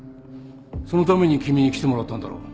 そのために君に来てもらったんだろう。